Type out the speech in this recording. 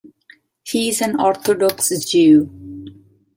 He is an Orthodox Jew.